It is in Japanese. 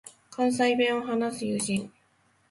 関西弁を話す友人